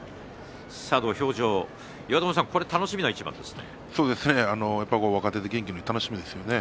土俵上、楽しみな一番ですね。